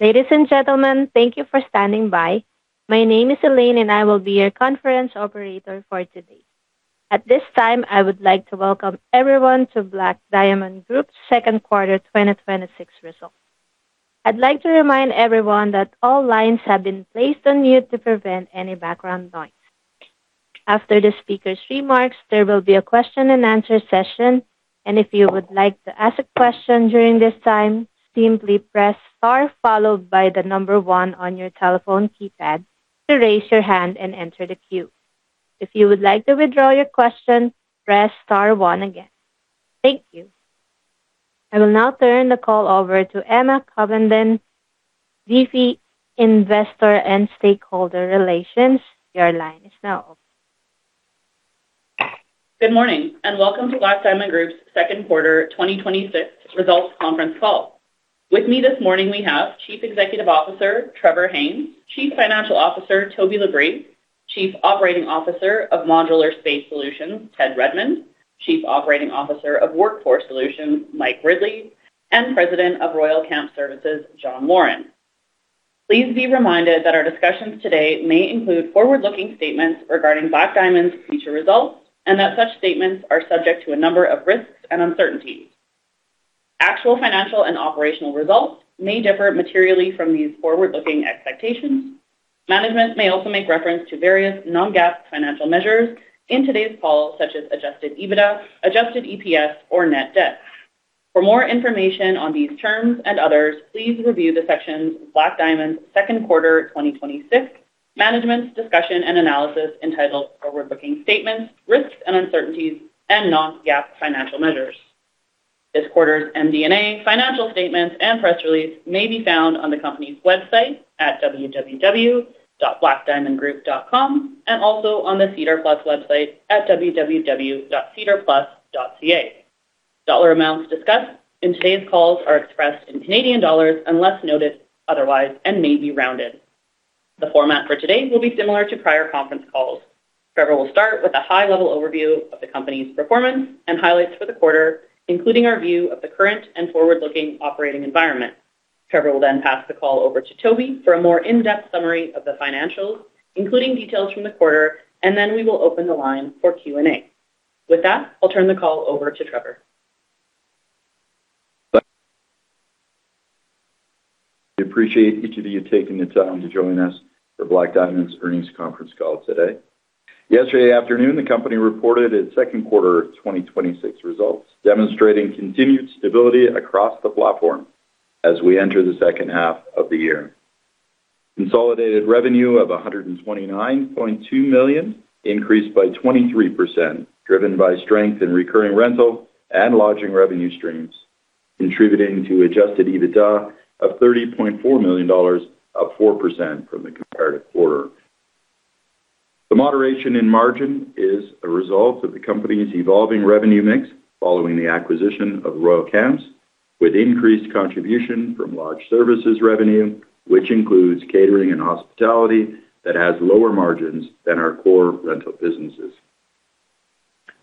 Ladies and gentlemen, thank you for standing by. My name is Elaine, and I will be your conference operator for today. At this time, I would like to welcome everyone to Black Diamond Group's second quarter 2026 results. I'd like to remind everyone that all lines have been placed on mute to prevent any background noise. After the speaker's remarks, there will be a question and answer session. If you would like to ask a question during this time, simply press star followed by the number one on your telephone keypad to raise your hand and enter the queue. If you would like to withdraw your question, press star one again. Thank you. I will now turn the call over to Emma Covenden, VP, Investor and Stakeholder Relations. Your line is now open. Good morning, and welcome to Black Diamond Group's second quarter 2026 results conference call. With me this morning, we have Chief Executive Officer, Trevor Haynes, Chief Financial Officer, Toby LaBrie, Chief Operating Officer of Modular Space Solutions, Ted Redmond, Chief Operating Officer of Workforce Solutions, Mike Ridley, and President of Royal Camp Services, Jon Warren. Please be reminded that our discussions today may include forward-looking statements regarding Black Diamond's future results and that such statements are subject to a number of risks and uncertainties. Actual financial and operational results may differ materially from these forward-looking expectations. Management may also make reference to various non-GAAP financial measures in today's call, such as adjusted EBITDA, adjusted EPS, or net debt. For more information on these terms and others, please review the sections of Black Diamond's second quarter 2026 Management's Discussion and Analysis entitled Forward-Looking Statements, Risks and Uncertainties, and Non-GAAP Financial Measures. This quarter's MD&A, financial statements, and press release may be found on the company's website at www.blackdiamondgroup.com and also on the SEDAR+ website at www.sedarplus.ca. Dollar amounts discussed in today's calls are expressed in Canadian dollars unless noted otherwise, and may be rounded. The format for today will be similar to prior conference calls. Trevor will start with a high-level overview of the company's performance and highlights for the quarter, including our view of the current and forward-looking operating environment. Trevor will then pass the call over to Toby for a more in-depth summary of the financials, including details from the quarter. Then we will open the line for Q&A. With that, I'll turn the call over to Trevor. We appreciate each of you taking the time to join us for Black Diamond's earnings conference call today. Yesterday afternoon, the company reported its second quarter 2026 results, demonstrating continued stability across the platform as we enter the second half of the year. Consolidated revenue of 129.2 million increased by 23%, driven by strength in recurring rental and lodging revenue streams, contributing to adjusted EBITDA of 30.4 million dollars, up 4% from the comparative quarter. The moderation in margin is a result of the company's evolving revenue mix following the acquisition of Royal Camp, with increased contribution from Lodge Services revenue, which includes catering and hospitality that has lower margins than our core rental businesses.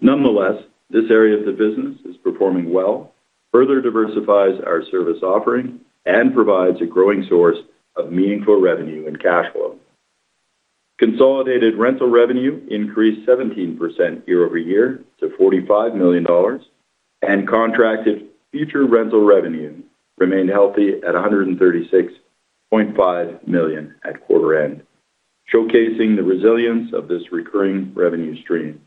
Nonetheless, this area of the business is performing well, further diversifies our service offering, and provides a growing source of meaningful revenue and cash flow. Consolidated rental revenue increased 17% year-over-year to CAD 45 million, and contracted future rental revenue remained healthy at 136.5 million at quarter end, showcasing the resilience of this recurring revenue stream.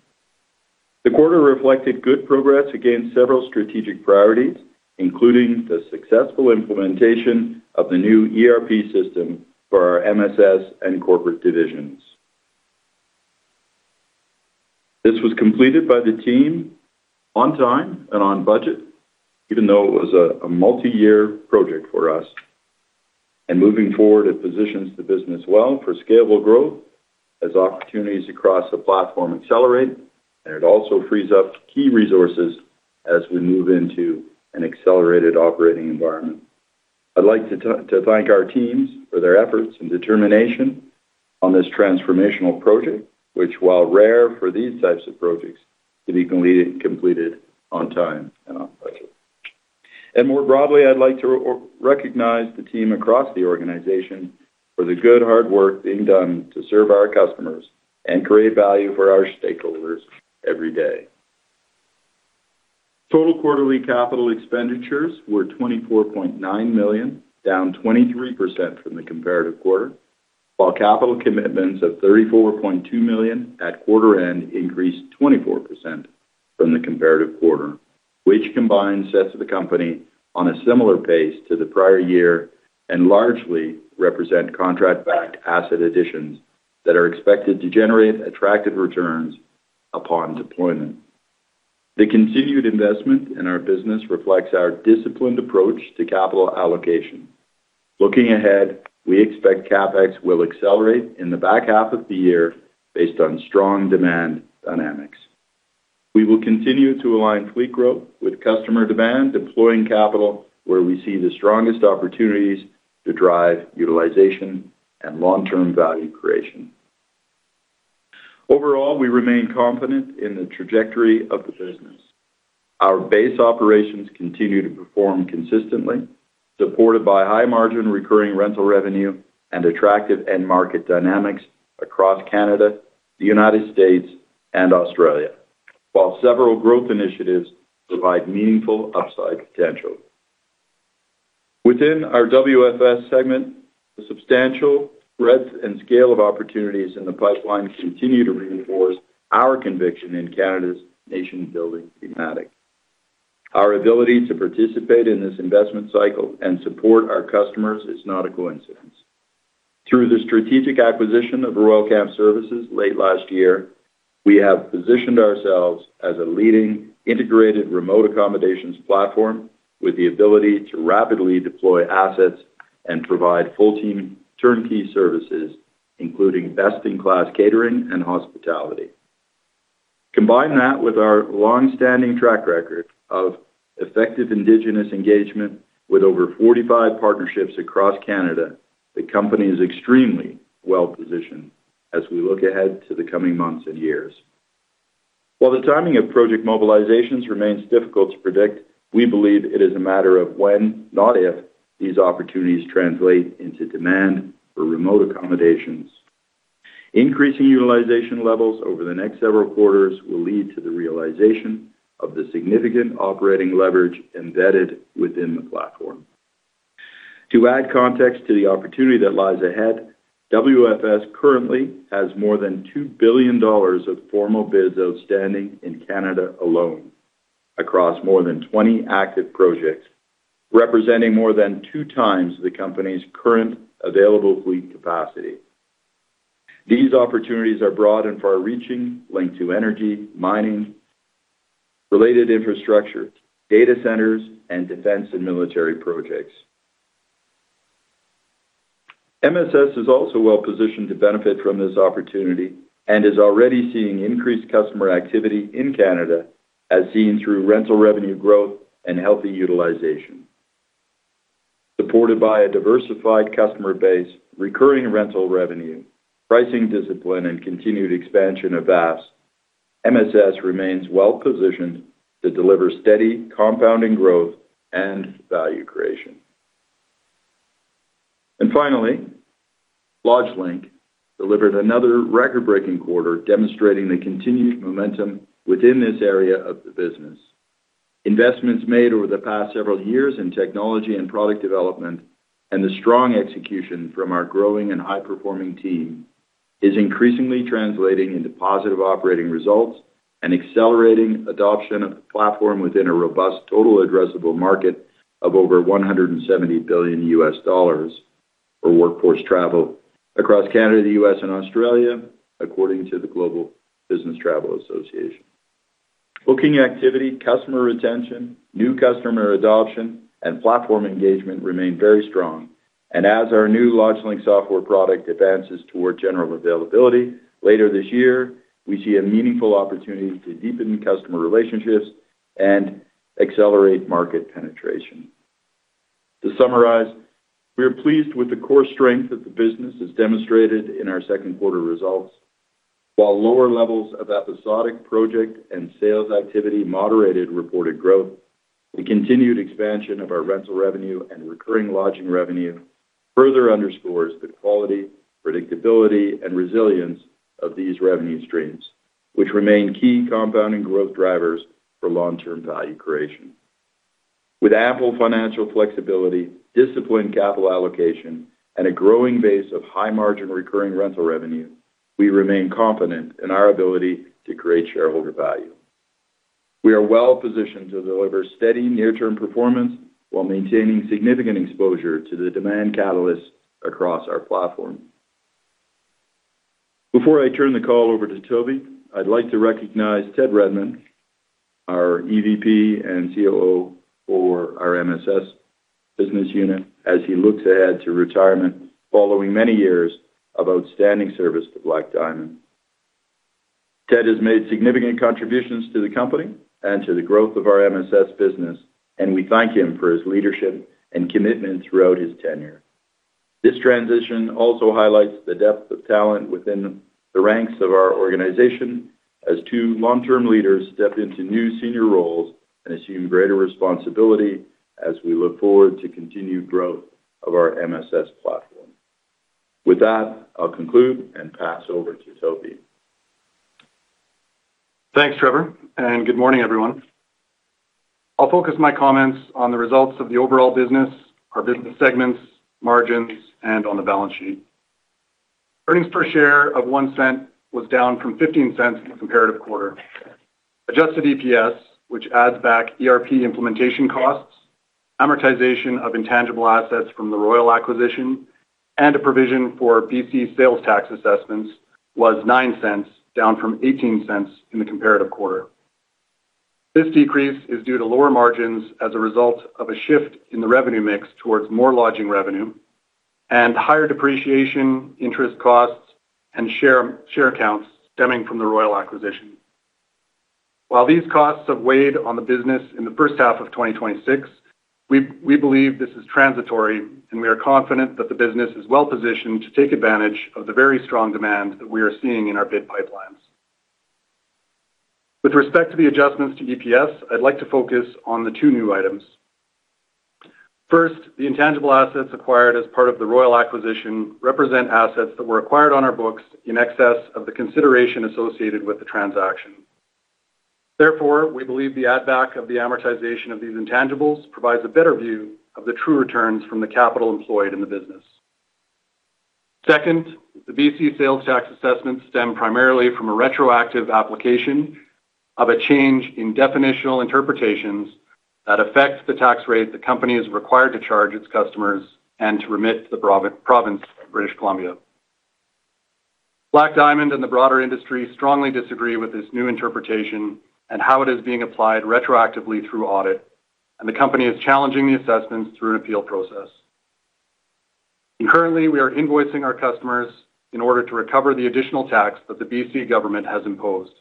The quarter reflected good progress against several strategic priorities, including the successful implementation of the new ERP system for our MSS and corporate divisions. This was completed by the team on time and on budget, even though it was a multi-year project for us. Moving forward, it positions the business well for scalable growth as opportunities across the platform accelerate, it also frees up key resources as we move into an accelerated operating environment. I'd like to thank our teams for their efforts and determination on this transformational project, which while rare for these types of projects, to be completed on time and on budget. More broadly, I'd like to recognize the team across the organization for the good hard work being done to serve our customers and create value for our stakeholders every day. Total quarterly capital expenditures were 24.9 million, down 23% from the comparative quarter, while capital commitments of 34.2 million at quarter end increased 24% from the comparative quarter, which combined sets the company on a similar pace to the prior year and largely represent contract-backed asset additions that are expected to generate attractive returns upon deployment. The continued investment in our business reflects our disciplined approach to capital allocation. Looking ahead, we expect CapEx will accelerate in the back half of the year based on strong demand dynamics. We will continue to align fleet growth with customer demand, deploying capital where we see the strongest opportunities to drive utilization and long-term value creation. Overall, we remain confident in the trajectory of the business. Our base operations continue to perform consistently, supported by high margin recurring rental revenue and attractive end market dynamics across Canada, the U.S., and Australia. Several growth initiatives provide meaningful upside potential. Within our WFS segment, the substantial breadth and scale of opportunities in the pipeline continue to reinforce our conviction in Canada's nation-building thematic. Our ability to participate in this investment cycle and support our customers is not a coincidence. Through the strategic acquisition of Royal Camp Services late last year, we have positioned ourselves as a leading integrated remote accommodations platform with the ability to rapidly deploy assets and provide full team turnkey services, including best-in-class catering and hospitality. Combine that with our longstanding track record of effective indigenous engagement with over 45 partnerships across Canada, the company is extremely well-positioned as we look ahead to the coming months and years. The timing of project mobilizations remains difficult to predict, we believe it is a matter of when, not if, these opportunities translate into demand for remote accommodations. Increasing utilization levels over the next several quarters will lead to the realization of the significant operating leverage embedded within the platform. To add context to the opportunity that lies ahead, WFS currently has more than 2 billion dollars of formal bids outstanding in Canada alone, across more than 20 active projects, representing more than two times the company's current available fleet capacity. These opportunities are broad and far-reaching, linked to energy, mining, related infrastructure, data centers, and defense and military projects. MSS is also well-positioned to benefit from this opportunity and is already seeing increased customer activity in Canada, as seen through rental revenue growth and healthy utilization. Supported by a diversified customer base, recurring rental revenue, pricing discipline, and continued expansion of VAPS, MSS remains well-positioned to deliver steady compounding growth and value creation. Finally, LodgeLink delivered another record-breaking quarter demonstrating the continued momentum within this area of the business. Investments made over the past several years in technology and product development, and the strong execution from our growing and high-performing team is increasingly translating into positive operating results and accelerating adoption of the platform within a robust total addressable market of over $170 billion for workforce travel across Canada, the U.S., and Australia, according to the Global Business Travel Association. Booking activity, customer retention, new customer adoption, and platform engagement remain very strong. As our new LodgeLink software product advances toward general availability later this year, we see a meaningful opportunity to deepen customer relationships and accelerate market penetration. To summarize, we are pleased with the core strength of the business as demonstrated in our second quarter results. While lower levels of episodic project and sales activity moderated reported growth, the continued expansion of our rental revenue and recurring lodging revenue further underscores the quality, predictability, and resilience of these revenue streams, which remain key compounding growth drivers for long-term value creation. With ample financial flexibility, disciplined capital allocation, and a growing base of high-margin recurring rental revenue, we remain confident in our ability to create shareholder value. We are well-positioned to deliver steady near-term performance while maintaining significant exposure to the demand catalysts across our platform. Before I turn the call over to Toby, I'd like to recognize Ted Redmond, our EVP and COO for our MSS business unit, as he looks ahead to retirement following many years of outstanding service to Black Diamond. Ted has made significant contributions to the company and to the growth of our MSS business, and we thank him for his leadership and commitment throughout his tenure. This transition also highlights the depth of talent within the ranks of our organization as two long-term leaders step into new senior roles and assume greater responsibility as we look forward to continued growth of our MSS platform. With that, I'll conclude and pass over to Toby. Thanks, Trevor, and good morning, everyone. I'll focus my comments on the results of the overall business, our business segments, margins, and on the balance sheet. Earnings per share of 0.01 was down from 0.15 in the comparative quarter. Adjusted EPS, which adds back ERP implementation costs, amortization of intangible assets from the Royal acquisition, and a provision for BC sales tax assessments was 0.09, down from 0.18 in the comparative quarter. This decrease is due to lower margins as a result of a shift in the revenue mix towards more lodging revenue and higher depreciation, interest costs and share counts stemming from the Royal acquisition. While these costs have weighed on the business in the first half of 2026, we believe this is transitory, and we are confident that the business is well-positioned to take advantage of the very strong demand that we are seeing in our bid pipelines. With respect to the adjustments to EPS, I'd like to focus on the two new items. First, the intangible assets acquired as part of the Royal acquisition represent assets that were acquired on our books in excess of the consideration associated with the transaction. Therefore, we believe the add back of the amortization of these intangibles provides a better view of the true returns from the capital employed in the business. Second, the B.C. sales tax assessments stem primarily from a retroactive application of a change in definitional interpretations that affects the tax rate the company is required to charge its customers and to remit to the province of British Columbia. Black Diamond and the broader industry strongly disagree with this new interpretation and how it is being applied retroactively through audit, and the company is challenging the assessments through an appeal process. Concurrently, we are invoicing our customers in order to recover the additional tax that the B.C. government has imposed.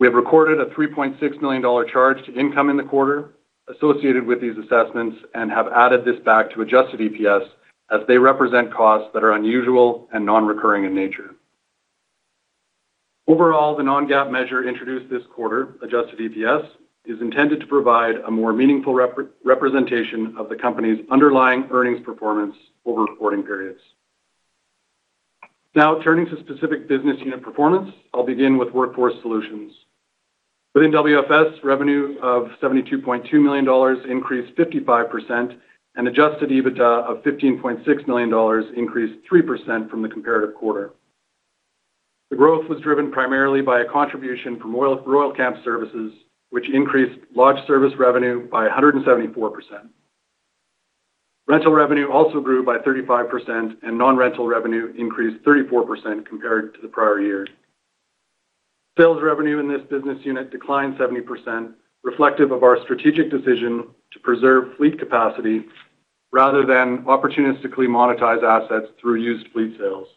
We have recorded a 3.6 million dollar charge to income in the quarter associated with these assessments and have added this back to adjusted EPS as they represent costs that are unusual and non-recurring in nature. Overall, the non-GAAP measure introduced this quarter, adjusted EPS, is intended to provide a more meaningful representation of the company's underlying earnings performance over reporting periods. Now, turning to specific business unit performance. I'll begin with Workforce Solutions. Within WFS, revenue of 72.2 million dollars increased 55%, and adjusted EBITDA of 15.6 million dollars increased 3% from the comparative quarter. The growth was driven primarily by a contribution from Royal Camp Services, which increased lodge service revenue by 174%. Rental revenue also grew by 35% and non-rental revenue increased 34% compared to the prior year. Sales revenue in this business unit declined 70%, reflective of our strategic decision to preserve fleet capacity rather than opportunistically monetize assets through used fleet sales.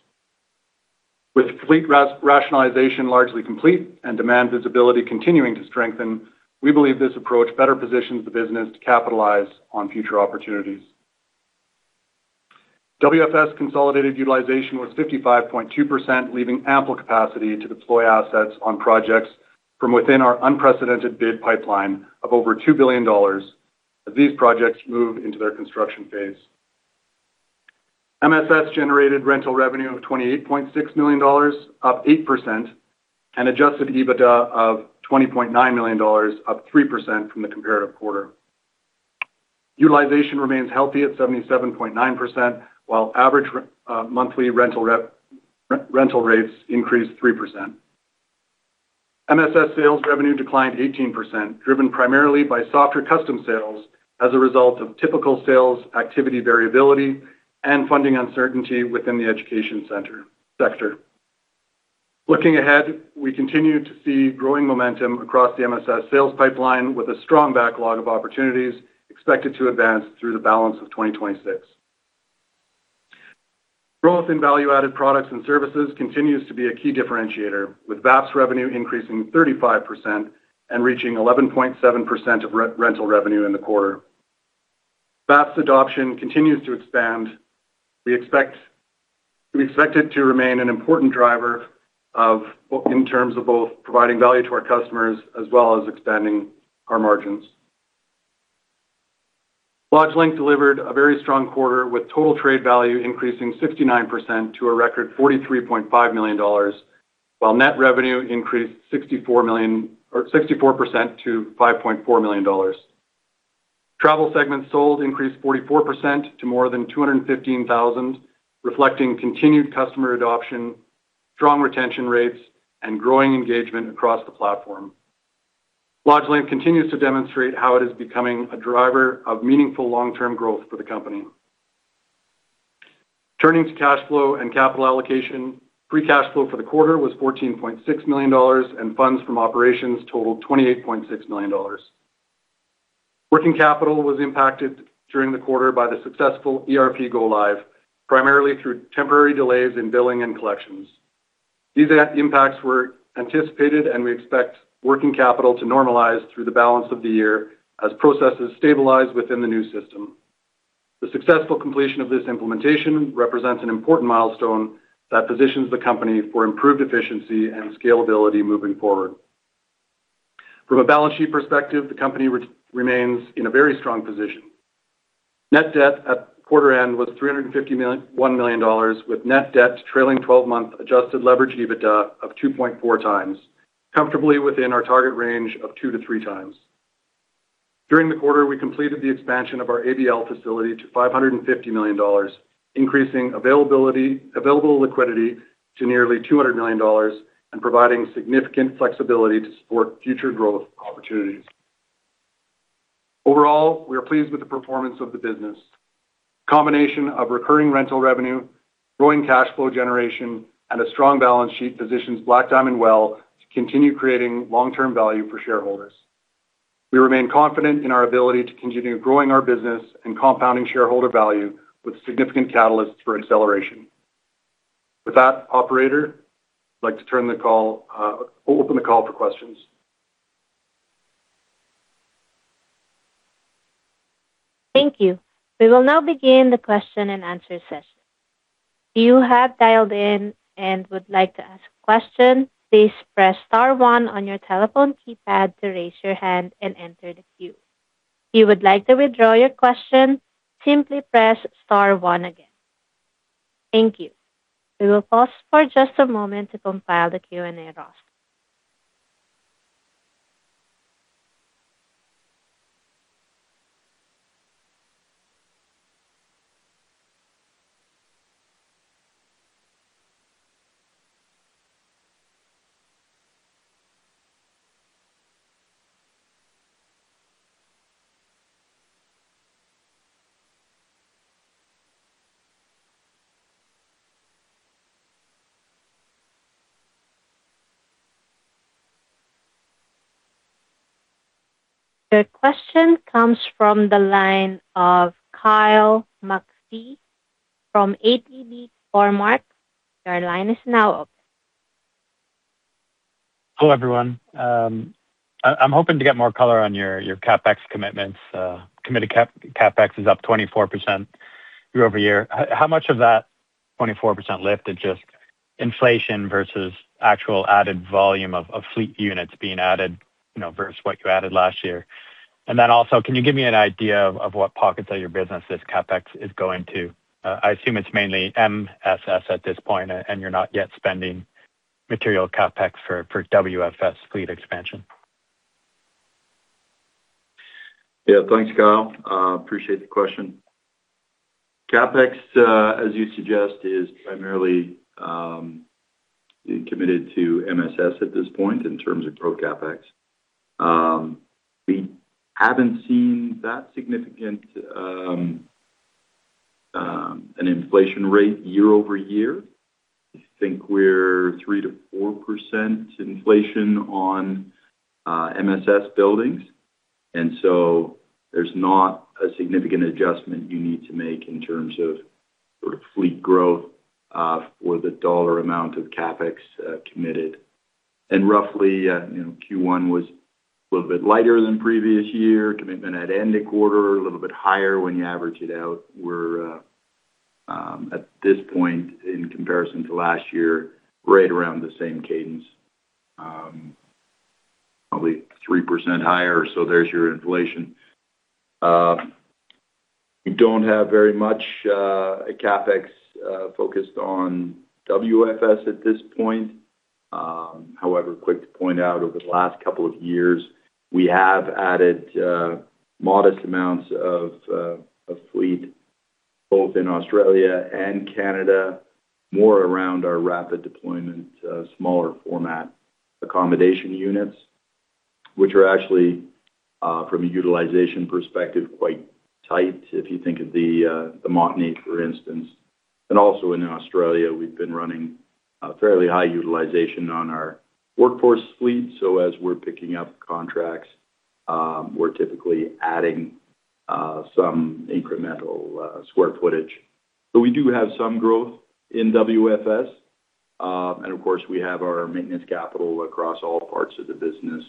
With fleet rationalization largely complete and demand visibility continuing to strengthen, we believe this approach better positions the business to capitalize on future opportunities. WFS consolidated utilization was 55.2%, leaving ample capacity to deploy assets on projects from within our unprecedented bid pipeline of over 2 billion dollars as these projects move into their construction phase. MSS generated rental revenue of 28.6 million dollars, up 8%, and adjusted EBITDA of 20.9 million dollars, up 3% from the comparative quarter. Utilization remains healthy at 77.9%, while average monthly rental rates increased 3%. MSS sales revenue declined 18%, driven primarily by softer custom sales as a result of typical sales activity variability and funding uncertainty within the education sector. Looking ahead, we continue to see growing momentum across the MSS sales pipeline, with a strong backlog of opportunities expected to advance through the balance of 2026. Growth in Value-Added Products and Services continues to be a key differentiator, with VAPS revenue increasing 35% and reaching 11.7% of rental revenue in the quarter. VAPS adoption continues to expand. We expect it to remain an important driver in terms of both providing value to our customers as well as expanding our margins. LodgeLink delivered a very strong quarter, with total trade value increasing 69% to a record 43.5 million dollars, while net revenue increased 64% to 5.4 million dollars. Travel segments sold increased 44% to more than 215,000, reflecting continued customer adoption, strong retention rates, and growing engagement across the platform. LodgeLink continues to demonstrate how it is becoming a driver of meaningful long-term growth for the company. Turning to cash flow and capital allocation, free cash flow for the quarter was 14.6 million dollars, and funds from operations totaled 28.6 million dollars. Working capital was impacted during the quarter by the successful ERP go live, primarily through temporary delays in billing and collections. These impacts were anticipated, and we expect working capital to normalize through the balance of the year as processes stabilize within the new system. The successful completion of this implementation represents an important milestone that positions the company for improved efficiency and scalability moving forward. From a balance sheet perspective, the company remains in a very strong position. Net debt at quarter end was 351 million, with net debt trailing 12-month adjusted leverage EBITDA of 2.4x, comfortably within our target range of two to three times. During the quarter, we completed the expansion of our ABL facility to 550 million dollars, increasing available liquidity to nearly 200 million dollars and providing significant flexibility to support future growth opportunities. Overall, we are pleased with the performance of the business. Combination of recurring rental revenue, growing cash flow generation, and a strong balance sheet positions Black Diamond well to continue creating long-term value for shareholders. We remain confident in our ability to continue growing our business and compounding shareholder value with significant catalysts for acceleration. With that, operator, I'd like to open the call for questions. Thank you. We will now begin the question and answer session. If you have dialed in and would like to ask a question, please press star one on your telephone keypad to raise your hand and enter the queue. If you would like to withdraw your question, simply press star one again. Thank you. We will pause for just a moment to compile the Q&A roster. The question comes from the line of Kyle McPhee from ATB Cormark. Your line is now open. Hello, everyone. I'm hoping to get more color on your CapEx commitments. Committed CapEx is up 24% year-over-year. How much of that 24% lift is just inflation versus actual added volume of fleet units being added versus what you added last year? Can you give me an idea of what pockets of your business this CapEx is going to? I assume it's mainly MSS at this point, and you're not yet spending material CapEx for WFS fleet expansion. Yeah. Thanks, Kyle. Appreciate the question. CapEx, as you suggest, is primarily committed to MSS at this point in terms of growth CapEx. We haven't seen that significant an inflation rate year-over-year. I think we're 3%-4% inflation on MSS buildings, there's not a significant adjustment you need to make in terms of fleet growth for the dollar amount of CapEx committed. Q1 was a little bit lighter than previous year. Commitment at end of quarter, a little bit higher when you average it out. We're, at this point in comparison to last year, right around the same cadence. Probably 3% higher, there's your inflation. We don't have very much CapEx focused on WFS at this point. However, quick to point out, over the last couple of years, we have added modest amounts of fleet, both in Australia and Canada, more around our rapid deployment, smaller format accommodation units, which are actually, from a utilization perspective, quite tight, if you think of the Montney, for instance. In Australia, we've been running fairly high utilization on our workforce fleet. As we're picking up contracts, we're typically adding some incremental square footage. We do have some growth in WFS. We have our maintenance capital across all parts of the business,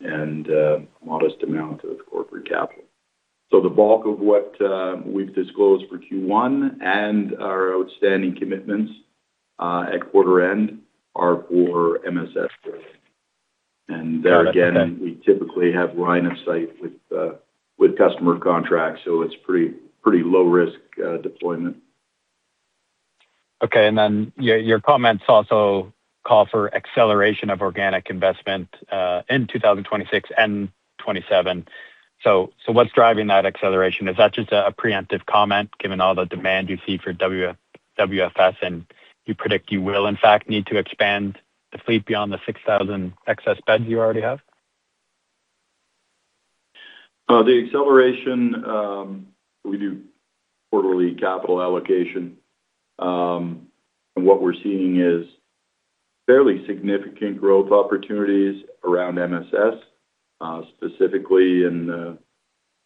and a modest amount of corporate capital. The bulk of what we've disclosed for Q1 and our outstanding commitments at quarter end are for MSS growth. There again, we typically have line of sight with customer contracts, it's pretty low risk deployment. Okay. Your comments also call for acceleration of organic investment, in 2026 and 2027. What's driving that acceleration? Is that just a preemptive comment, given all the demand you see for WFS, and you predict you will in fact need to expand the fleet beyond the 6,000 excess beds you already have? The acceleration, we do quarterly capital allocation. What we're seeing is fairly significant growth opportunities around MSS, specifically in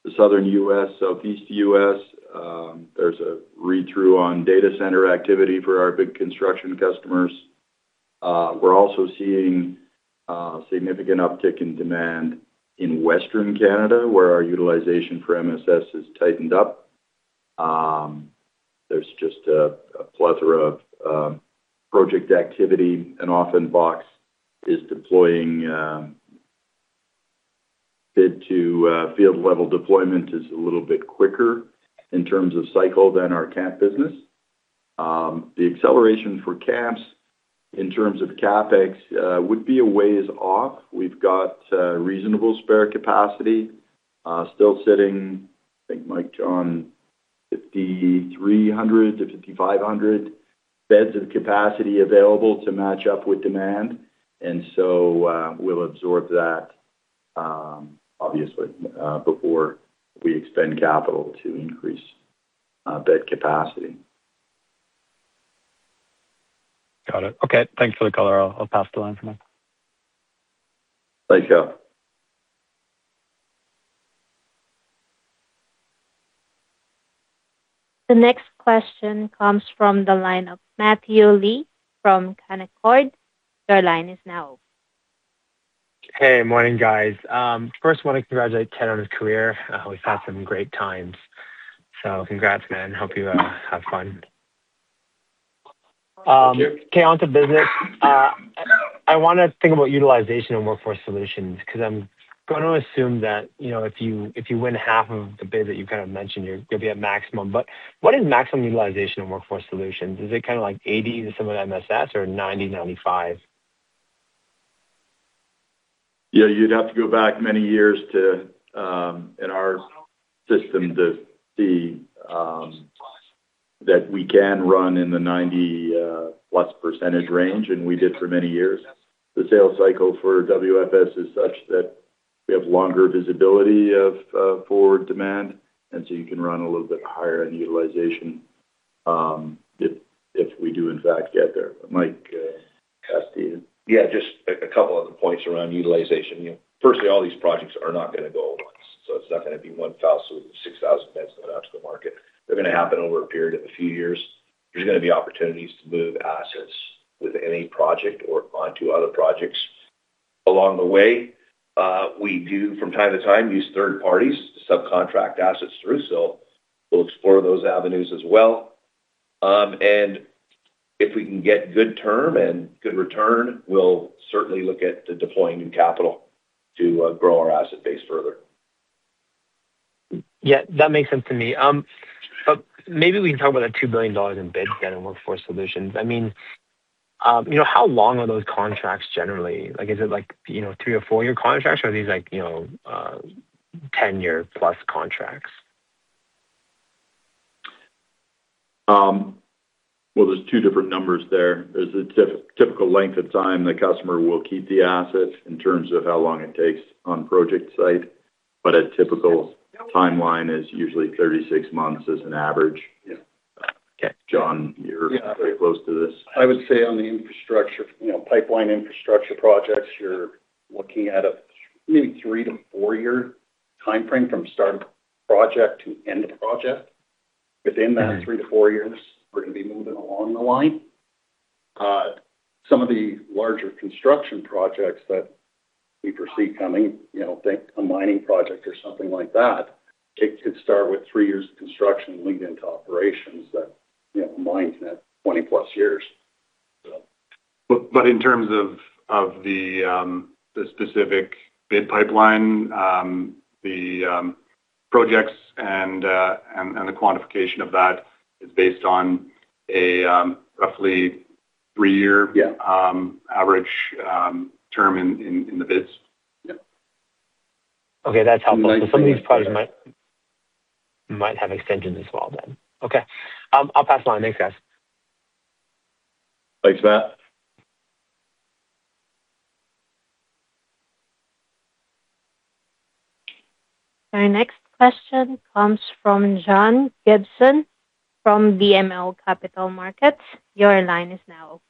the Southern U.S., Southeast U.S. There's a read-through on data center activity for our big construction customers. We're also seeing significant uptick in demand in Western Canada, where our utilization for MSS has tightened up. There's just a plethora of project activity, and often box is deploying bid to field level deployment is a little bit quicker in terms of cycle than our camp business. The acceleration for camps in terms of CapEx would be a ways off. We've got reasonable spare capacity. Still sitting, I think, Mike, on 5,300 to 5,500 beds of capacity available to match up with demand. We'll absorb that, obviously, before we expend capital to increase bed capacity. Got it. Okay. Thanks for the color. I'll pass the line for now. Thanks, Kyle. The next question comes from the line of Matthew Lee from Canaccord. Your line is now open. Hey, morning, guys. First, I want to congratulate Ted on his career. We've had some great times. Congrats, man. Hope you have fun. Thank you. Okay, on to business. I want to think about utilization and Workforce Solutions, because I'm going to assume that, if you win half of the bid that you mentioned, you'll be at maximum, but what is maximum utilization in Workforce Solutions? Is it like 80% to some of MSS or 90%, 95%? You'd have to go back many years in our system to see that we can run in the 90+ percentage range, and we did for many years. The sales cycle for WFS is such that we have longer visibility of forward demand, you can run a little bit higher in utilization, if we do in fact get there. Mike, pass to you. Just a couple other points around utilization. Firstly, all these projects are not going to go at once, so it's not going to be 1,000, 6,000 beds going out to the market. They're going to happen over a period of a few years. There's going to be opportunities to move assets with any project or onto other projects. Along the way, we do, from time to time, use third parties to subcontract assets through, so we'll explore those avenues as well. If we can get good term and good return, we'll certainly look at deploying new capital to grow our asset base further. That makes sense to me. Maybe we can talk about that 2 billion dollars in bids again in Workforce Solutions. How long are those contracts, generally? Is it three or four-year contracts or are these 10-year-plus contracts? Well, there's two different numbers there. There's the typical length of time the customer will keep the asset in terms of how long it takes on project site, but a typical timeline is usually 36 months as an average. Yeah. Jon, you're pretty close to this. I would say on the pipeline infrastructure projects, you're looking at a maybe three to four-year timeframe from start of project to end of project. Within that three to four years, we're going to be moving along the line. Some of the larger construction projects that we foresee coming, think a mining project or something like that, it could start with three years of construction leading to operations that might net 20+ years. In terms of the specific bid pipeline, the projects and the quantification of that is based on a roughly three-year average term in the bids. Yeah. Okay, that's helpful. Some of these projects might have extensions as well then. Okay. I'll pass along. Thanks, guys. Thanks, Matt. Our next question comes from John Gibson from BMO Capital Markets. Your line is now open.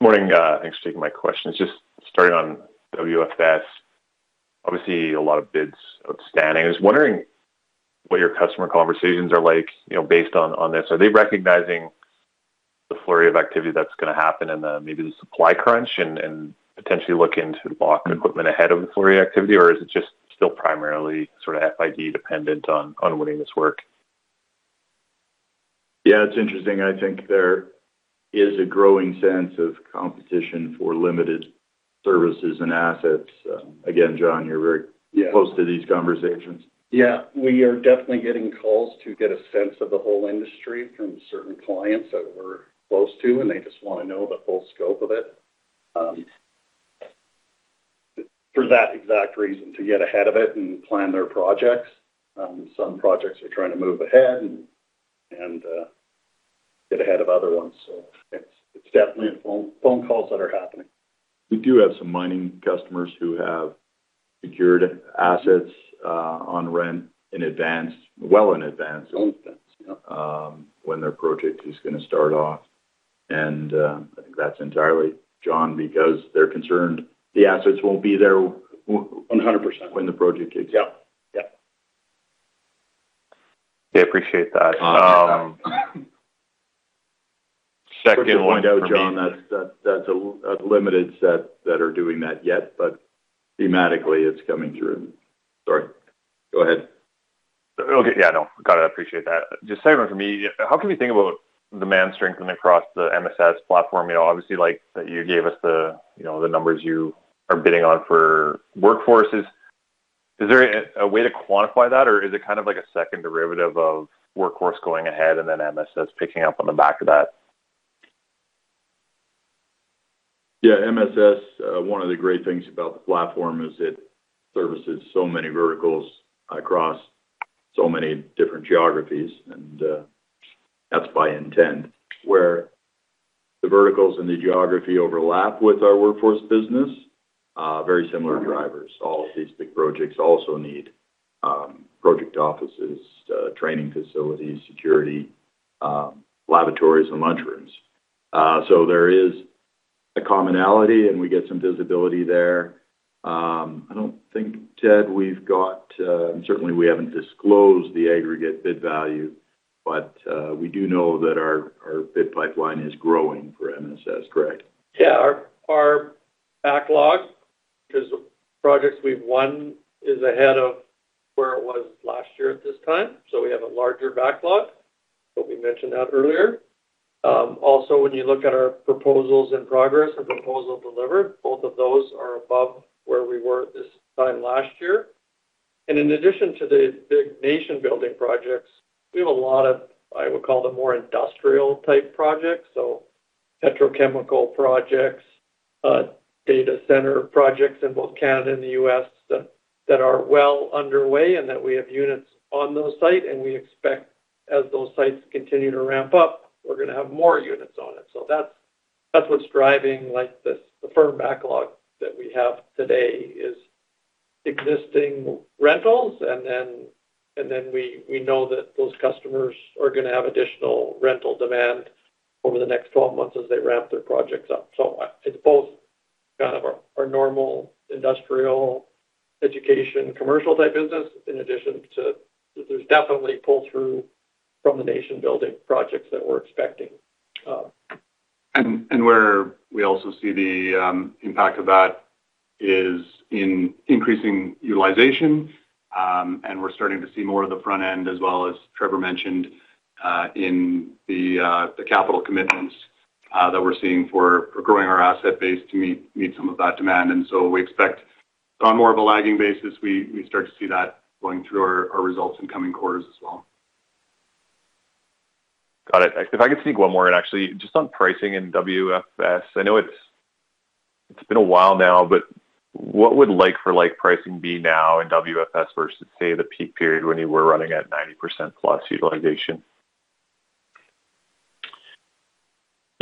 Morning. Thanks for taking my questions. Just starting on WFS, obviously a lot of bids outstanding. I was wondering what your customer conversations are like based on this. Are they recognizing the flurry of activity that is going to happen and then maybe the supply crunch and potentially look into lock equipment ahead of the flurry of activity, or is it just still primarily sort of FID dependent on winning this work? Yeah, it is interesting. I think there is a growing sense of competition for limited services and assets. Again, Jon, you are very close to these conversations. Yeah. We are definitely getting calls to get a sense of the whole industry from certain clients that we're close to, they just want to know the full scope of it, for that exact reason, to get ahead of it and plan their projects. Some projects are trying to move ahead and get ahead of other ones, it's definitely phone calls that are happening. We do have some mining customers who have secured assets on rent in advance, well in advance. Well in advance, yeah. When their project is going to start off, I think that's entirely, Jon, because they're concerned the assets won't be there. 100%. When the project kicks off. Yeah. Okay. Appreciate that. John, I'll pass that one. Second one for me. I want to point out, John, that's a limited set that are doing that yet, but thematically it's coming through. Sorry, go ahead. Okay. Yeah, no. Got it. Appreciate that. Just second one for me. How can we think about demand strengthening across the MSS platform? Obviously, you gave us the numbers you are bidding on for Workforce. Is there a way to quantify that, or is it kind of like a second derivative of Workforce going ahead and then MSS picking up on the back of that? MSS, one of the great things about the platform is it services so many verticals across so many different geographies, and that's by intent. Where the verticals and the geography overlap with our Workforce business, very similar drivers. All of these big projects also need project offices, training facilities, security, lavatories, and lunchrooms. There is a commonality, and we get some visibility there. I don't think, Ted, we've got, certainly we haven't disclosed the aggregate bid value, but we do know that our bid pipeline is growing for MSS, correct? Our backlog, because the projects we've won, is ahead of where it was last year at this time, we have a larger backlog. We mentioned that earlier. Also, when you look at our proposals in progress and proposals delivered, both of those are above where we were at this time last year. In addition to the big nation-building projects, we have a lot of, I would call them, more industrial type projects. Petrochemical projects, data center projects in both Canada and the U.S. that are well underway and that we have units on those site. We expect as those sites continue to ramp up, we're going to have more units on it. That's what's driving the firm backlog that we have today is existing rentals and then we know that those customers are going to have additional rental demand over the next 12 months as they ramp their projects up. It's both kind of our normal industrial education, commercial type business, in addition to, there's definitely pull through from the nation-building projects that we're expecting. Where we also see the impact of that is in increasing utilization. We're starting to see more of the front end, as well as Trevor mentioned, in the capital commitments that we're seeing for growing our asset base to meet some of that demand. We expect on more of a lagging basis, we start to see that going through our results in coming quarters as well. Got it. If I could sneak one more in, actually, just on pricing in WFS. I know it's been a while now, but what would like for like pricing be now in WFS versus, say, the peak period when you were running at 90% plus utilization?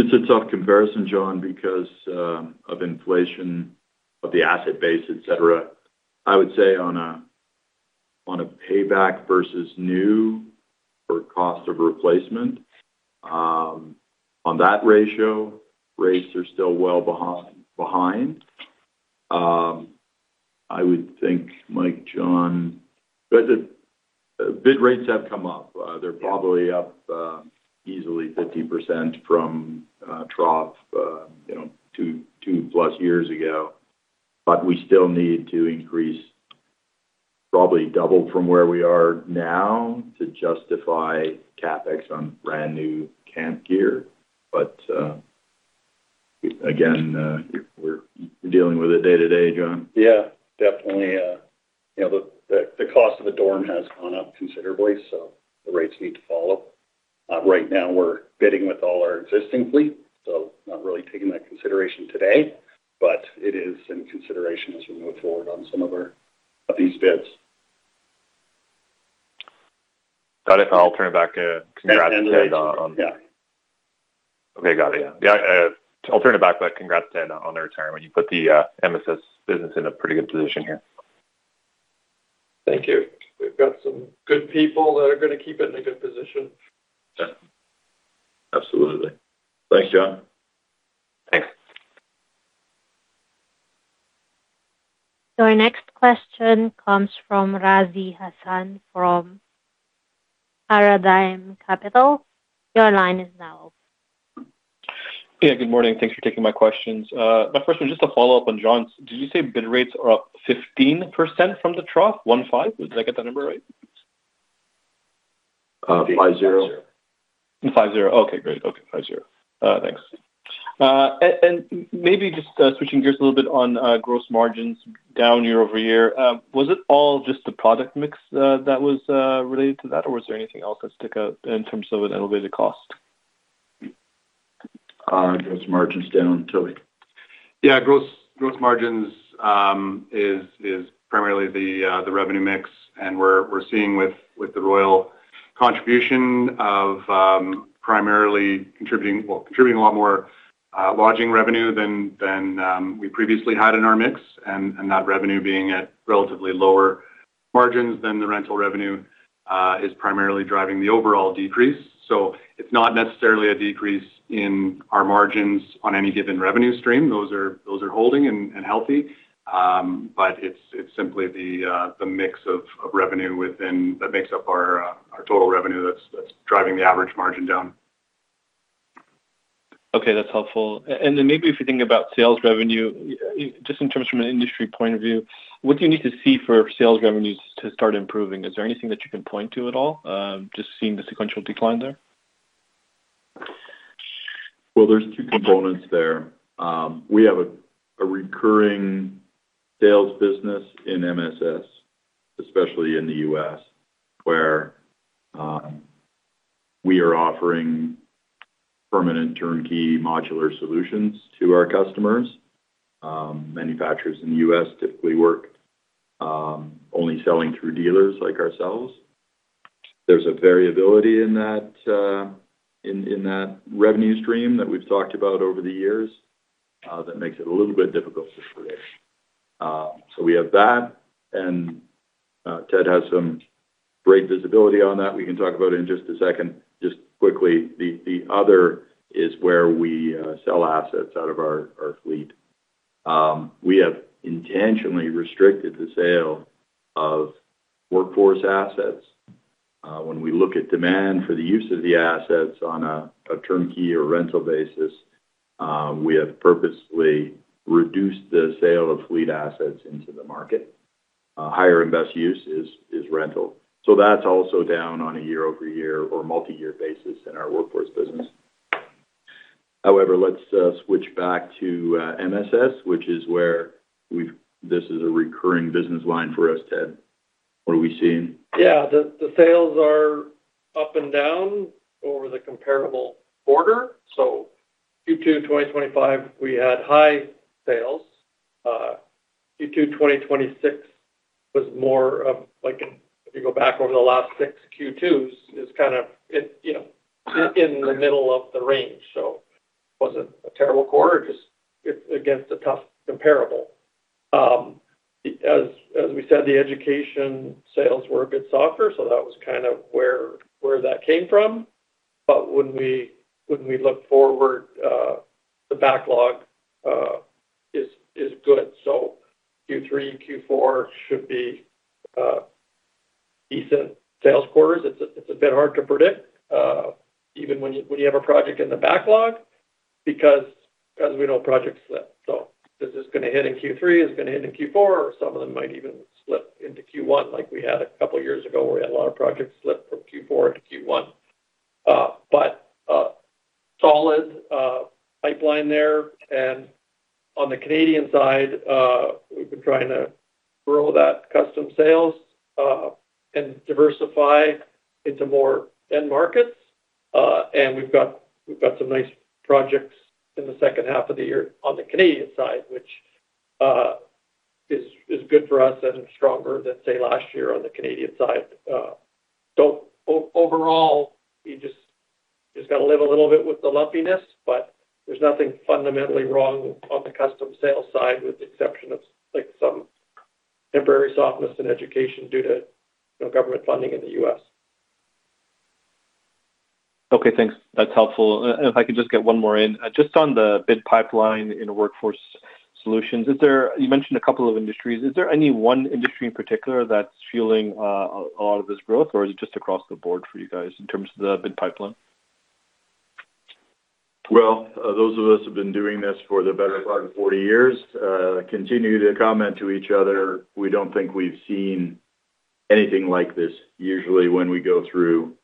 It's a tough comparison, John, because of inflation of the asset base, et cetera. I would say on a payback versus new or cost of replacement, on that ratio, rates are still well behind. I would think, Mike, Jon. The bid rates have come up. They're probably up easily 15% from trough 2+ years ago. We still need to increase, probably double from where we are now to justify CapEx on brand new camp gear. Again, we're dealing with it day to day, Jon. Yeah, definitely. The cost of a dorm has gone up considerably. The rates need to follow. Right now, we're bidding with all our existing fleet, so not really taking that consideration today, but it is in consideration as we move forward on some of these bids. Got it. I'll turn it back. Congrats, Ted, on. Yeah. Okay, got it. Yeah. I'll turn it back. Congrats, Ted, on the retirement. You put the MSS business in a pretty good position here. Thank you. We've got some good people that are going to keep it in a good position. Yeah. Absolutely. Thanks, Jon. Thanks. Our next question comes from Razi Hasan from Paradigm Capital. Your line is now open. Yeah, good morning. Thanks for taking my questions. My first one, just to follow up on John's, did you say bid rates are up 15% from the trough? 15? Did I get that number right? 50. 50. Okay, great. Okay, 50. Thanks. Maybe just switching gears a little bit on gross margins down year-over-year. Was it all just the product mix that was related to that? Was there anything else that stuck out in terms of an elevated cost? Gross margins down, Toby. Yeah, gross margins is primarily the revenue mix. We're seeing with the Royal contribution of primarily contributing a lot more lodging revenue than we previously had in our mix. That revenue being at relatively lower margins than the rental revenue, is primarily driving the overall decrease. It's not necessarily a decrease in our margins on any given revenue stream. Those are holding and healthy. It's simply the mix of revenue within that makes up our total revenue that's driving the average margin down. Okay, that's helpful. Maybe if you think about sales revenue, just in terms from an industry point of view, what do you need to see for sales revenues to start improving? Is there anything that you can point to at all, just seeing the sequential decline there? There's two components there. We have a recurring sales business in MSS, especially in the U.S., where we are offering permanent turnkey modular solutions to our customers. Manufacturers in the U.S. typically work only selling through dealers like ourselves. There's a variability in that revenue stream that we've talked about over the years that makes it a little bit difficult to forecast. We have that, and Ted has some great visibility on that we can talk about in just a second. Just quickly, the other is where we sell assets out of our fleet. We have intentionally restricted the sale of workforce assets. When we look at demand for the use of the assets on a turnkey or rental basis, we have purposely reduced the sale of fleet assets into the market. Higher and best use is rental. That's also down on a year-over-year or multi-year basis in our workforce business. However, let's switch back to MSS, which is where this is a recurring business line for us, Ted. What are we seeing? The sales are up and down over the comparable quarter. Q2 2025, we had high sales. Q2 2026 was more of like, if you go back over the last six Q2s, it's in the middle of the range. It wasn't a terrible quarter, just it's against a tough comparable. As we said, the education sales were a bit softer, that was where that came from. When we look forward, the backlog is good. Q3, Q4 should be decent sales quarters. It's a bit hard to predict, even when you have a project in the backlog, because as we know, projects slip. Is this going to hit in Q3? Is it going to hit in Q4? Some of them might even slip into Q1 like we had a couple of years ago, where we had a lot of projects slip from Q4 to Q1. A solid pipeline there. On the Canadian side, we've been trying to grow that custom sales, and diversify into more end markets. We've got some nice projects in the second half of the year on the Canadian side, which is good for us and stronger than, say, last year on the Canadian side. Overall, you just got to live a little bit with the lumpiness, but there's nothing fundamentally wrong on the custom sales side, with the exception of some temporary softness in education due to government funding in the U.S. Okay, thanks. That's helpful. If I could just get one more in. Just on the bid pipeline in Workforce Solutions, you mentioned a couple of industries. Is there any one industry in particular that's fueling a lot of this growth, or is it just across the board for you guys in terms of the bid pipeline? Well, those of us who have been doing this for the better part of 40 years continue to comment to each other. We don't think we've seen anything like this. Usually, when we go through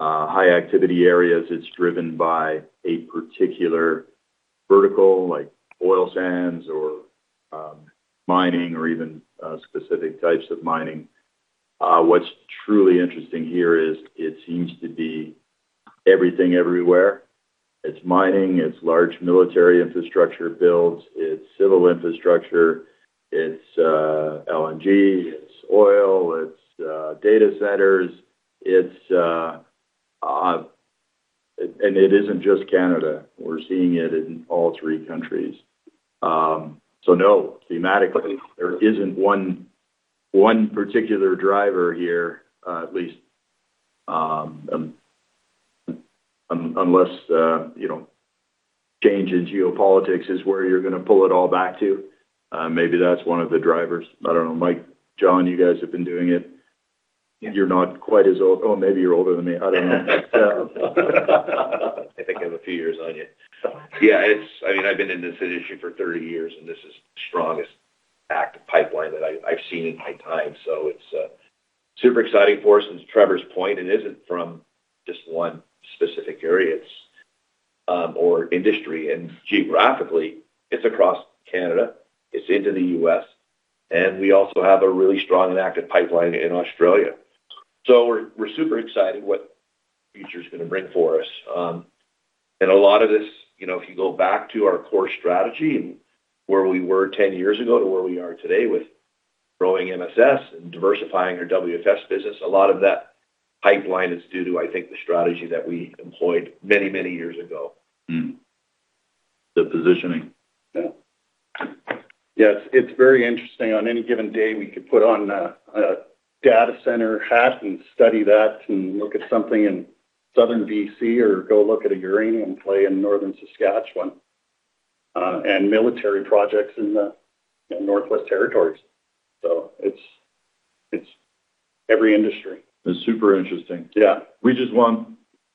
high-activity areas, it's driven by a particular vertical, like oil sands or mining or even specific types of mining. What's truly interesting here is it seems to be everything everywhere. It's mining, it's large military infrastructure builds, it's civil infrastructure, it's LNG, it's oil, it's data centers. It isn't just Canada. We're seeing it in all three countries. No, thematically, there isn't one particular driver here. At least, unless change in geopolitics is where you're going to pull it all back to. Maybe that's one of the drivers. I don't know, Mike, Jon, you guys have been doing it. You're not quite as old. Oh, maybe you're older than me. I don't know. I think I have a few years on you. Yeah. I've been in this industry for 30 years, this is the strongest active pipeline that I've seen in my time. It's super exciting for us. To Trevor's point, it isn't from just one specific area or industry. Geographically, it's across Canada, it's into the U.S., and we also have a really strong and active pipeline in Australia. We're super excited what the future's going to bring for us. A lot of this, if you go back to our core strategy and where we were 10 years ago to where we are today with growing MSS and diversifying our WFS business, a lot of that pipeline is due to, I think, the strategy that we employed many, many years ago. The positioning. Yeah. It's very interesting. On any given day, we could put on a data center hat and study that and look at something in southern B.C. or go look at a uranium play in northern Saskatchewan, and military projects in the Northwest Territories. It's every industry. It's super interesting. Yeah. We just want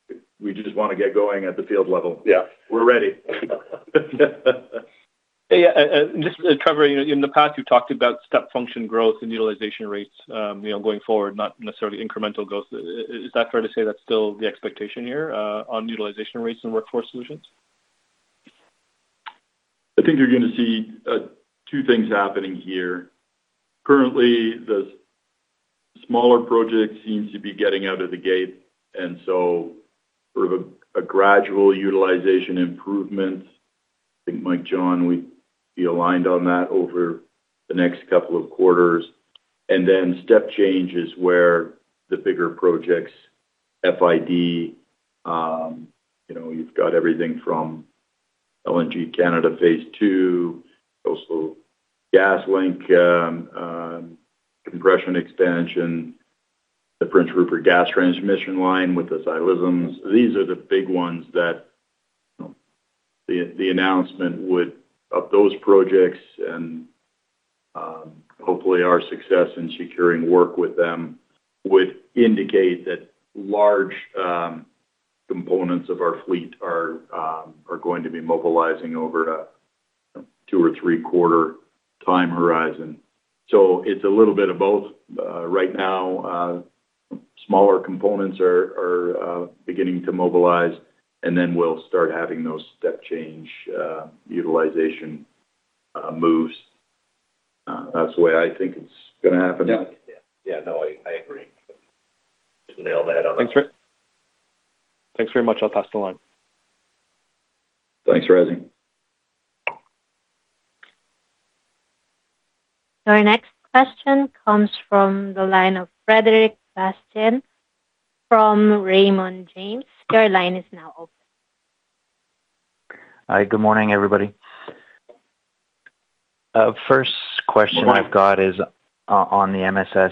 to get going at the field level. Yeah. We're ready. Just Trevor, in the past, you've talked about step function growth and utilization rates going forward, not necessarily incremental growth. Is that fair to say that's still the expectation here on utilization rates and Workforce Solutions? I think you're going to see two things happening here. Currently, the smaller projects seems to be getting out of the gate, sort of a gradual utilization improvement. I think Mike, Jon, we'd be aligned on that over the next couple of quarters. Then step change is where the bigger projects, FID, you've got everything from LNG Canada phase two, Coastal GasLink, compression expansion, the Prince Rupert Gas Transmission line with the Ksi Lisims. These are the big ones that the announcement of those projects, and hopefully our success in securing work with them, would indicate that large components of our fleet are going to be mobilizing over a two or three quarter time horizon. It's a little bit of both. Right now, smaller components are beginning to mobilize, then we'll start having those step change utilization moves. That's the way I think it's going to happen. Yeah. No, I agree. You nailed that on the head. Thanks very much. I'll pass the line. Thanks, Razi. Our next question comes from the line of Frederic Bastien from Raymond James. Your line is now open. Hi, good morning, everybody. First question I've got is on the MSS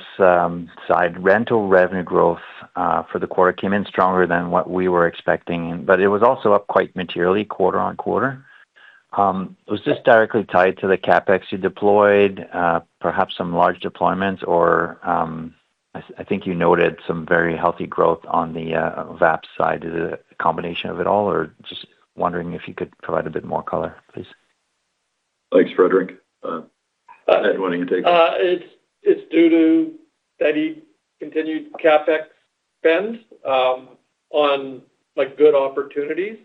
side. Rental revenue growth for the quarter came in stronger than what we were expecting. It was also up quite materially quarter-on-quarter. Was this directly tied to the CapEx you deployed, perhaps some large deployments or I think you noted some very healthy growth on the VAPS side. Is it a combination of it all? Just wondering if you could provide a bit more color, please. Thanks, Frederic. Ted, why don't you take it? It's due to steady continued CapEx spend on good opportunities,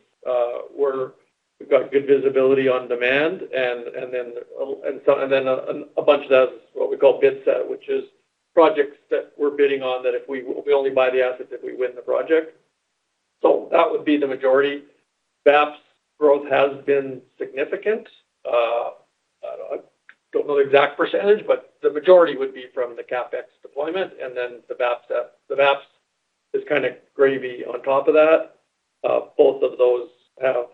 where we've got good visibility on demand. A bunch of that is what we call bid set, which is projects that we're bidding on that we only buy the asset if we win the project. That would be the majority. VAPS growth has been significant. I don't know the exact percentage. The majority would be from the CapEx deployment. The VAPS is kind of gravy on top of that. Both of those have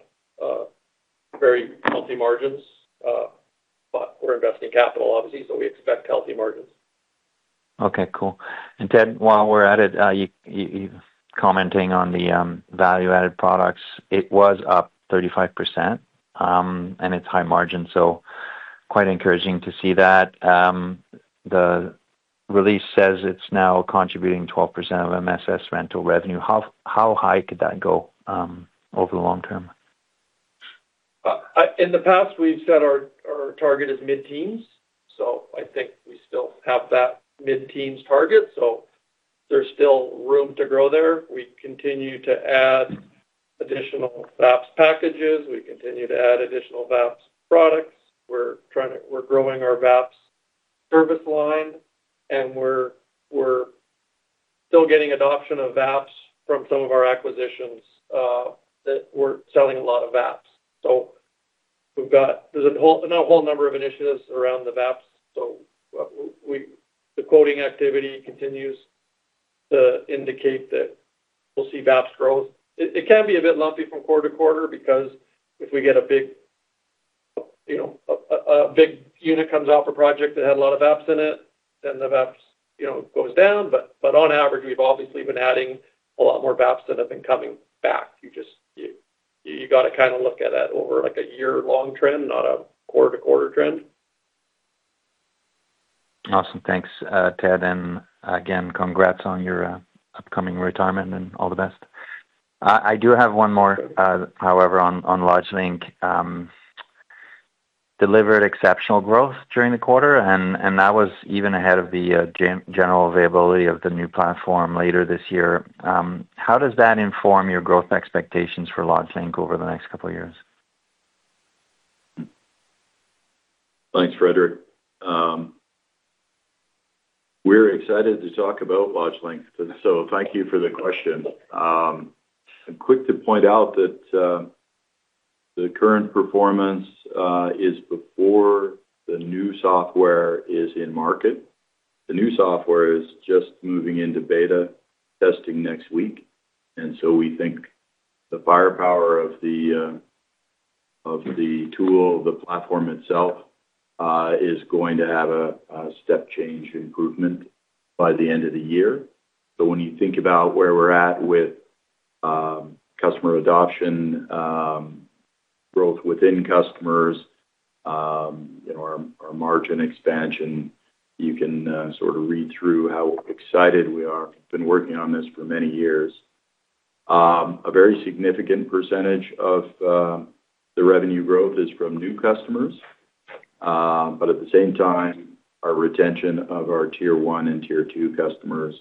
very healthy margins. We're investing capital, obviously. We expect healthy margins. Okay, cool. Ted, while we're at it, you commenting on the value-added products, it was up 35%. It's high margin, quite encouraging to see that. The release says it's now contributing 12% of MSS rental revenue. How high could that go over the long term? In the past, we've said our target is mid-teens. I think we still have that mid-teens target. There's still room to grow there. We continue to add additional VAPS packages. We continue to add additional VAPS products. We're growing our VAPS service line, and we're still getting adoption of VAPS from some of our acquisitions that we're selling a lot of VAPS. There's a whole number of initiatives around the VAPS. The quoting activity continues to indicate that we'll see VAPS growth. It can be a bit lumpy from quarter to quarter, because if a big unit comes off a project that had a lot of VAPS in it, then the VAPS goes down. On average, we've obviously been adding a lot more VAPS than have been coming back. You got to look at that over a year-long trend, not a quarter-to-quarter trend. Awesome. Thanks, Ted. Again, congrats on your upcoming retirement and all the best. I do have one more, however, on LodgeLink. Delivered exceptional growth during the quarter. That was even ahead of the general availability of the new platform later this year. How does that inform your growth expectations for LodgeLink over the next couple of years? Thanks, Frederic. We're excited to talk about LodgeLink. Thank you for the question. I'm quick to point out that the current performance is before the new software is in market. The new software is just moving into beta testing next week. We think the firepower of the tool, the platform itself, is going to have a step change improvement by the end of the year. When you think about where we're at with customer adoption, growth within customers, our margin expansion, you can sort of read through how excited we are. We've been working on this for many years. A very significant percentage of the revenue growth is from new customers. At the same time, our retention of our tier one and tier two customers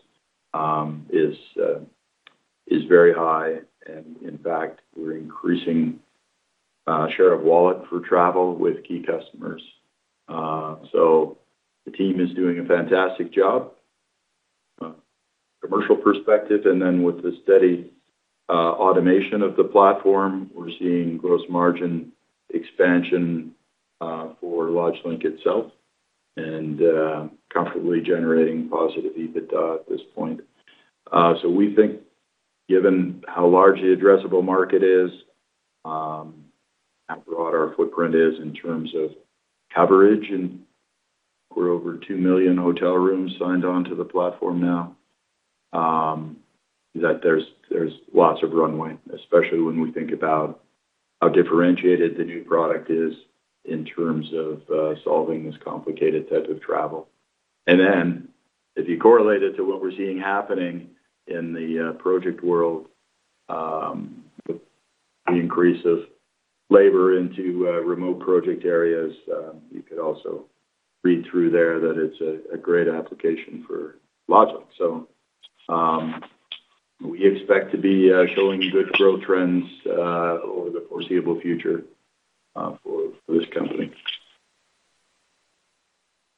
is very high. In fact, we're increasing share of wallet for travel with key customers. The team is doing a fantastic job a commercial perspective. With the steady automation of the platform, we're seeing gross margin expansion for LodgeLink itself, and comfortably generating positive EBITDA at this point. We think given how large the addressable market is, how broad our footprint is in terms of coverage, and we're over 2 million hotel rooms signed onto the platform now, that there's lots of runway, especially when we think about how differentiated the new product is in terms of solving this complicated type of travel. If you correlate it to what we're seeing happening in the project world, the increase of labor into remote project areas, you could also read through there that it's a great application for LodgeLink. We expect to be showing good growth trends over the foreseeable future for this company.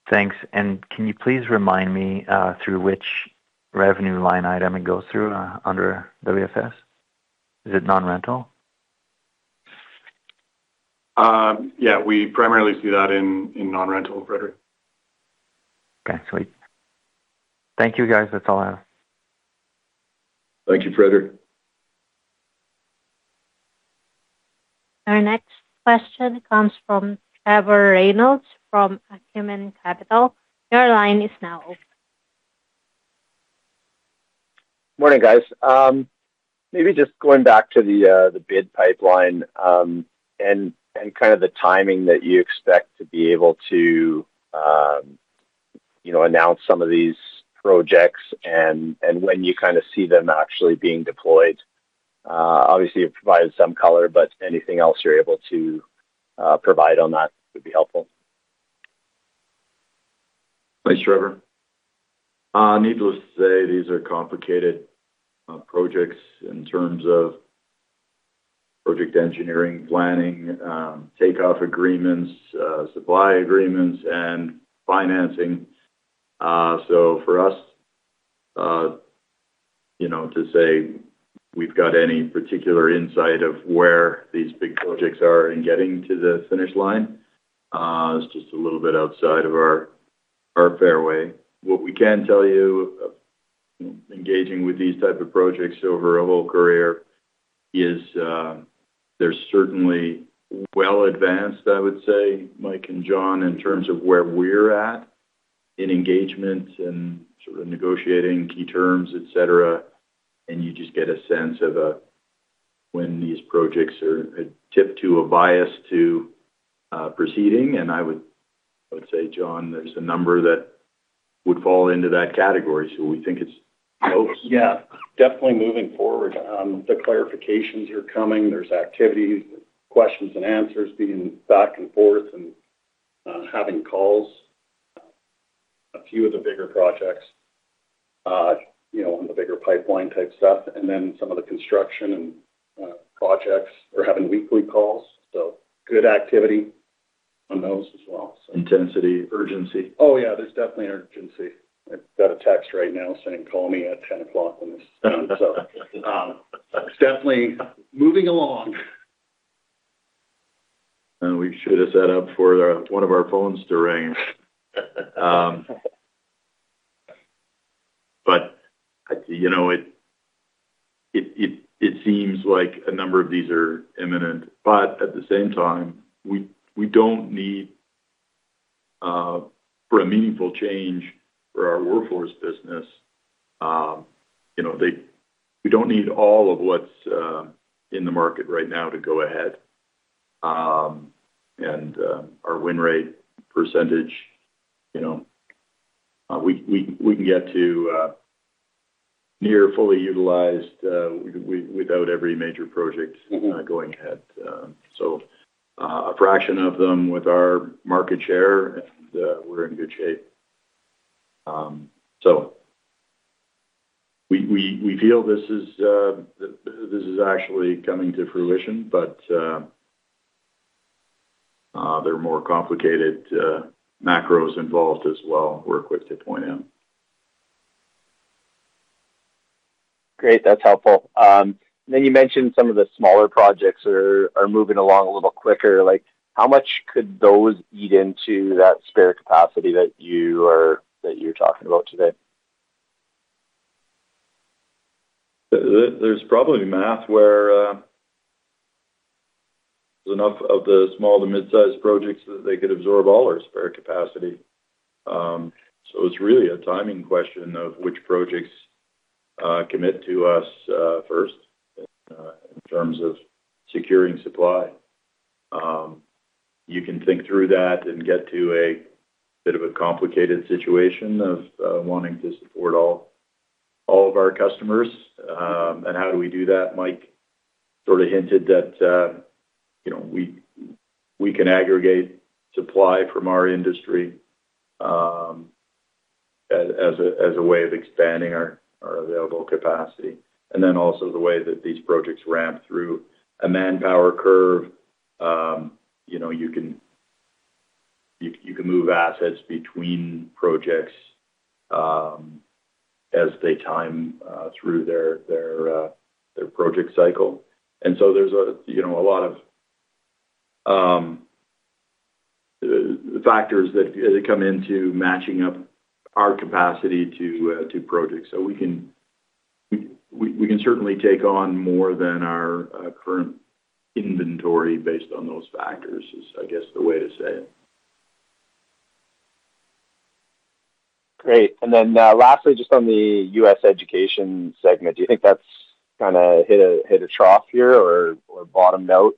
Thanks. Can you please remind me through which revenue line item it goes through under WFS? Is it non-rental? Yeah, we primarily see that in non-rental, Frederic. Okay, sweet. Thank you, guys. That is all I have. Thank you, Frederic. Our next question comes from Trevor Reynolds from Acumen Capital. Your line is now open. Morning, guys. The timing that you expect to be able to announce some of these projects, and when you see them actually being deployed. Obviously, you provided some color, but anything else you are able to provide on that would be helpful. Thanks, Trevor. Needless to say, these are complicated projects in terms of project engineering, planning, takeoff agreements, supply agreements, and financing. For us to say we have got any particular insight of where these big projects are in getting to the finish line, is just a little bit outside of our fairway. What we can tell you, engaging with these type two projects over a whole career is, they are certainly well advanced, I would say, Mike and Jon, in terms of where we are at in engagement and negotiating key terms, et cetera. You just get a sense of when these projects tip to a bias to proceeding, and I would say, Jon, there is a number that would fall into that category, so we think it is close. Yeah, definitely moving forward. The clarifications are coming. There is activities, questions and answers being back and forth, and having calls. A few of the bigger projects, on the bigger pipeline type stuff, and then some of the construction and projects are having weekly calls, so good activity on those as well. Intensity, urgency. Oh, yeah. There's definitely an urgency. I've got a text right now saying, "Call me at 10:00 A.M. when this is done." It's definitely moving along. We should have set up for one of our phones to ring. It seems like a number of these are imminent, but at the same time, we don't need for a meaningful change for our workforce business. We don't need all of what's in the market right now to go ahead. Our win rate % we can get to near fully utilized without every major project going ahead. A fraction of them with our market share, and we're in good shape. We feel this is actually coming to fruition, but there are more complicated macros involved as well, we're quick to point out. Great. That's helpful. You mentioned some of the smaller projects are moving along a little quicker. How much could those eat into that spare capacity that you're talking about today? There's probably math where there's enough of the small to mid-size projects that they could absorb all our spare capacity. It's really a timing question of which projects commit to us first in terms of securing supply. You can think through that and get to a bit of a complicated situation of wanting to support all of our customers. How do we do that? Mike sort of hinted that we can aggregate supply from our industry as a way of expanding our available capacity. Also the way that these projects ramp through a manpower curve. You can move assets between projects as they time through their project cycle. There's a lot of factors that come into matching up our capacity to projects. We can certainly take on more than our current inventory based on those factors, is I guess the way to say it. Great. Lastly, just on the U.S. education segment, do you think that's kind of hit a trough here or bottomed out?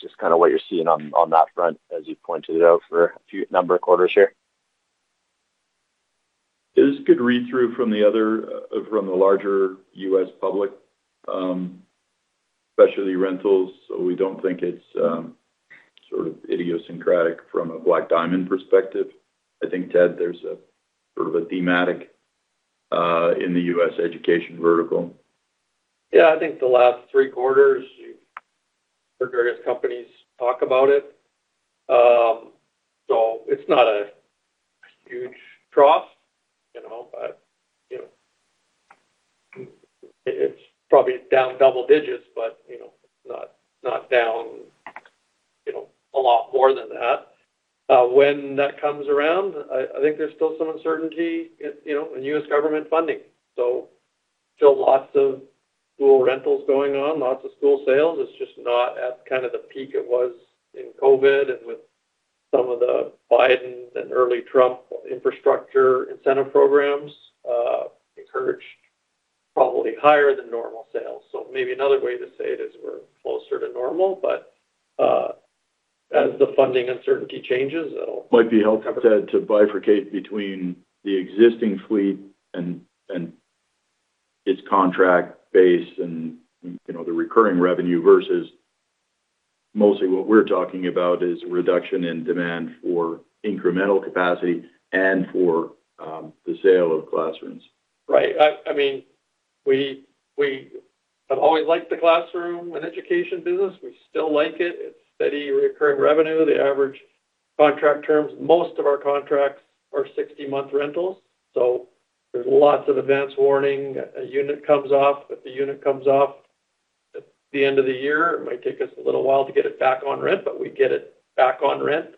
Just kind of what you're seeing on that front, as you pointed out for a number of quarters here. It is a good read-through from the larger U.S. public, especially rentals. We don't think it's sort of idiosyncratic from a Black Diamond perspective. I think, Ted, there's a sort of a thematic in the U.S. education vertical. Yeah, I think the last three quarters, you've heard various companies talk about it. It's not a huge trough. It's probably down double digits, but not down a lot more than that. When that comes around, I think there's still some uncertainty in U.S. government funding. Still lots of school rentals going on, lots of school sales. It's just not at kind of the peak it was in COVID, and with some of the Joe and early Trump infrastructure incentive programs encouraged probably higher than normal sales. Maybe another way to say it is we're closer to normal, but as the funding uncertainty changes. Might be helpful, Ted, to bifurcate between the existing fleet and its contract base and the recurring revenue versus mostly what we're talking about is a reduction in demand for incremental capacity and for the sale of classrooms. Right. We have always liked the classroom and education business. We still like it. It's steady, recurring revenue. The average contract terms, most of our contracts are 60-month rentals, there's lots of advance warning. A unit comes off, if the unit comes off at the end of the year, it might take us a little while to get it back on rent, but we get it back on rent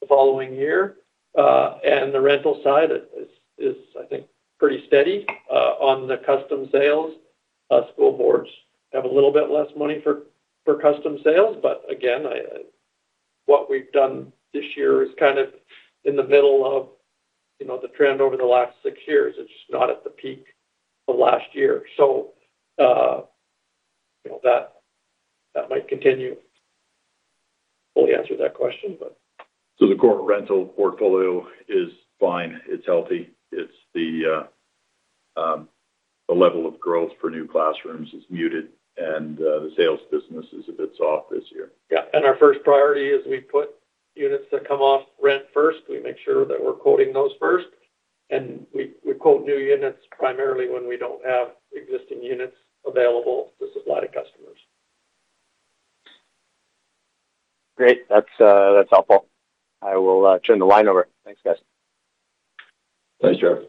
the following year. The rental side is, I think, pretty steady. On the custom sales, school boards have a little bit less money for custom sales. But again, what we've done this year is kind of in the middle of the trend over the last six years. It's just not at the peak of last year. That might continue. Hopefully, I answered that question, but. The core rental portfolio is fine. It's healthy. It's the level of growth for new classrooms is muted, the sales business is a bit soft this year. Yeah. Our first priority is we put units that come off rent first. We make sure that we're quoting those first. We quote new units primarily when we don't have existing units available to supply to customers. Great. That's helpful. I will turn the line over. Thanks, guys. Thanks, Trevor.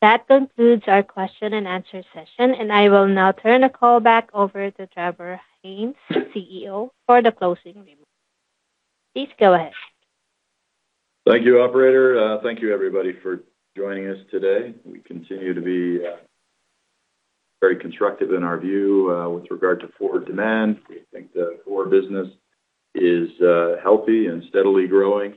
That concludes our question and answer session, and I will now turn the call back over to Trevor Haynes, CEO, for the closing remarks. Please go ahead. Thank you, operator. Thank you, everybody, for joining us today. We continue to be very constructive in our view with regard to forward demand. We think the core business is healthy and steadily growing.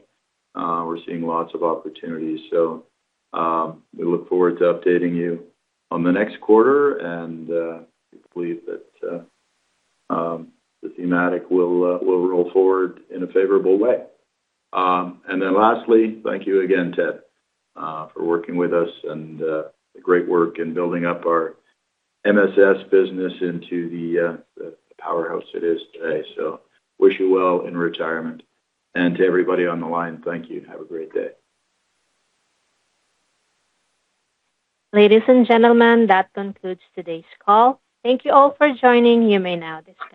We're seeing lots of opportunities. We look forward to updating you on the next quarter, and we believe that the thematic will roll forward in a favorable way. Lastly, thank you again, Ted, for working with us and the great work in building up our MSS business into the powerhouse it is today. Wish you well in retirement. To everybody on the line, thank you. Have a great day. Ladies and gentlemen, that concludes today's call. Thank you all for joining. You may now disconnect.